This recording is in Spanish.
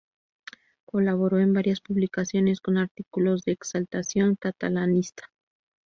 Colaboró en varias publicaciones, con artículos de exaltación catalanista.